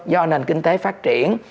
do nền kinh tế phát triển